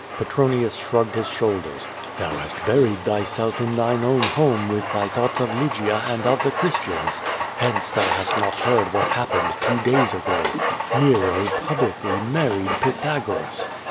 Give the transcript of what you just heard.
'' Potronius shrugged his shoulders. "Thou has buried thy self in thine own home with thy thoughts of Lygia and of the Christians. Hence thou hast not heard what happened two days ago. Xero publicly married Pythagoras.